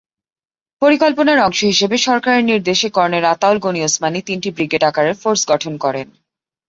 পরিকল্পনার অংশ হিসেবে সরকারের নির্দেশে কর্নেল আতাউল গনি ওসমানী তিনটি ব্রিগেড আকারের ফোর্স গঠন করেন।